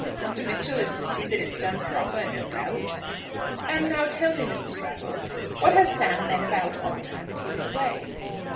Mister Mitchell is to see that it's done proper, no doubt." "And now tell me, Mrs. Brattle, what has Sam been about all the time that he was away?"